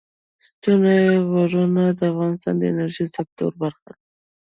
ستوني غرونه د افغانستان د انرژۍ سکتور برخه ده.